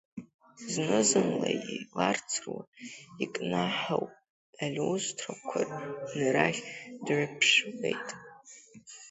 Зны-зынла еилаарцыруа икнаҳау алиустрақәа рахь дҩаԥшуеит.